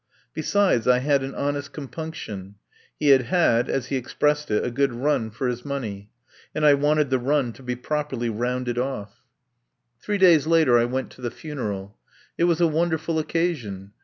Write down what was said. Besides I had an honest compunction. He had had, as he expressed it, a good run for his money, and I wanted the run to be properly rounded off. 210 RETURN OF THE WILD GEESE Three days later I went to the funeral. It was a wonderful occasion.